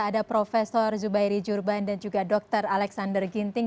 ada profesor zubairi jurban dan juga dokter alexander ginting